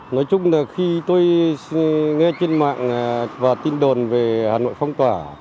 nói chung là khi tôi nghe trên mạng và tin đồn về hà nội phong tỏa